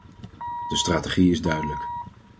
De strategie is duidelijk.